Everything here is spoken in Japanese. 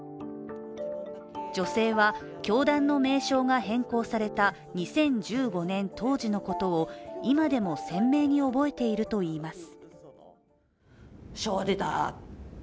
女性は教団の名称が変更された２０１５年当時のことを今でも鮮明に覚えているといいます。